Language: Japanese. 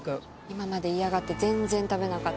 今まで嫌がって全然食べなかったのに。